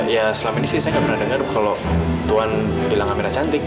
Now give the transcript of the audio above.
ya selama ini sih saya nggak pernah dengar kalau tuhan bilang kamera cantik